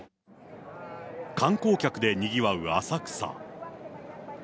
観光客でにぎわう浅草。